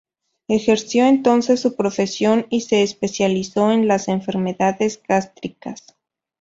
Ejerció entonces su profesión y se especializó en las enfermedades gástricas.